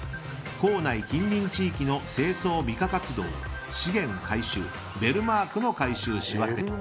校内近隣地域の清掃・美化活動資源回収ベルマークの回収・仕分け。